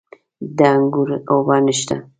د انګورو اوبه نشته؟